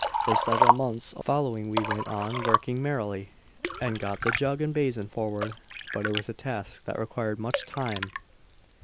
For several months following we went on working merrily, and got the jug and basin forward; but it was a task that required much time.